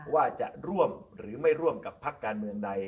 ว่าจะร่วมหรือไม่ร่วมกับพักการเมืองใด